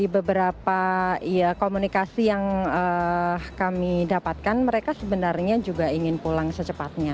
beberapa komunikasi yang kami dapatkan mereka sebenarnya juga ingin pulang secepatnya